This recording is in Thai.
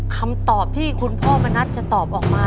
คำตอบที่คุณพ่อมณัฐจะตอบออกมา